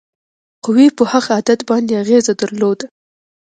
قوې په هغه عدد باندې اغیزه درلوده.